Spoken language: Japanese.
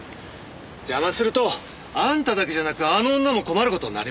邪魔するとあんただけじゃなくあの女も困る事になりますよ。